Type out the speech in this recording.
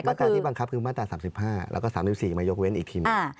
ตราที่บังคับคือมาตรา๓๕แล้วก็๓๔มายกเว้นอีกทีหนึ่ง